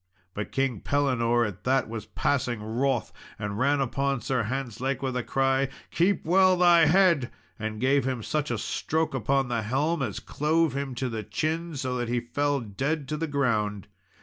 But King Pellinore at that was passing wroth, and ran upon Sir Hantzlake, with a cry, "Keep well thy head!" and gave him such a stroke upon the helm as clove him to the chin, so that he fell dead to the ground.